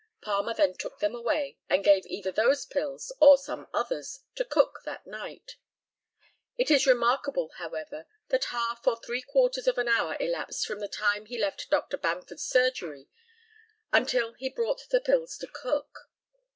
Palmer then took them away, and gave either those pills or some others to Cook that night. It is remarkable, however, that half or three quarters of an hour elapsed from the time he left Dr. Bamford's surgery until he brought the pills to Cook.